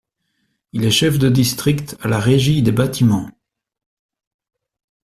Il est chef de district à la Régie des Bâtiments.